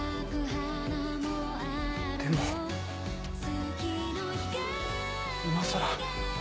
でも今さら。